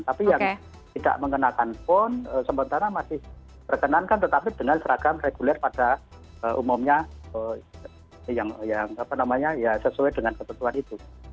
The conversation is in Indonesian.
tapi yang tidak mengenakan pun sementara masih berkenankan tetapi dengan seragam reguler pada umumnya yang sesuai dengan ketentuan itu